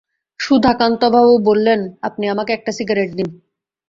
সুধাকান্তবাবু বললেন, আপনি আমাকে একটা সিগারেট দিন।